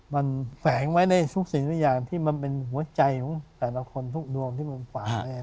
มันแฝงไว้ในทุกสิ่งทุกอย่างที่มันเป็นหัวใจของแต่ละคนทุกดวงที่มันฝัง